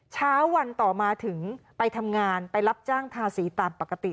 เช้าวันต่อมาถึงไปทำงานไปรับจ้างทาสีตามปกติ